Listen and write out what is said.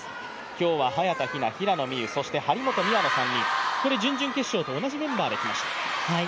今日は早田ひな、平野美宇、張本美和の３人準々決勝と同じメンバーできました。